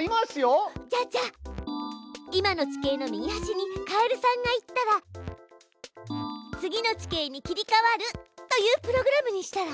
じゃあじゃあ今の地形の右はしにカエルさんが行ったら次の地形に切りかわるというプログラムにしたら？